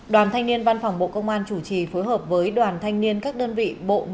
đoàn thanh niên văn phòng bộ công an chủ trì phối hợp với đoàn thanh niên các đơn vị